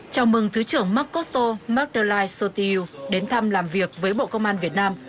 chào mừng thứ trưởng makoto magdalai sotiu đến thăm làm việc với bộ công an việt nam